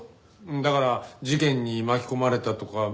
だから事件に巻き込まれたとか。